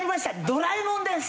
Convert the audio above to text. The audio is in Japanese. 『ドラえもん』です。